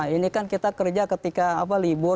ini kan kita kerja ketika libur